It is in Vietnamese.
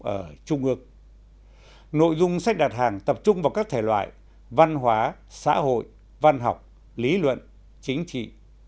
ở trung ương nội dung sách đặt hàng tập trung vào các thể loại văn hóa xã hội văn học lý luận chính trị